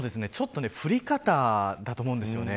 降り方だと思うんですよね。